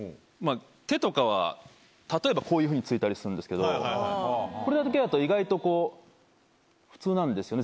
手とかは例えばこういうふうについたりするんですけどこれだけだと意外とこう普通なんですよね